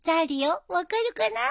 分かるかな？